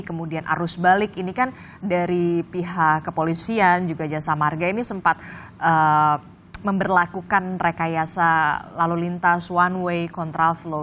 kemudian arus balik ini kan dari pihak kepolisian juga jasa marga ini sempat memperlakukan rekayasa lalu lintas one way contraflow